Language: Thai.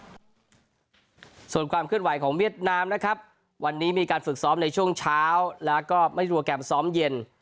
ส่วนความเคลื่อนไหวของเวียดนามนะครับวันนี้มีการฝึกซ้อมในช่วงเช้าแล้วก็ไม่โปรแกรมซ้อมเย็น